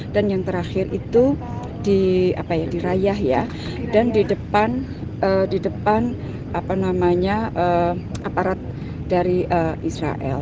dan yang terakhir itu di raya dan di depan aparat dari israel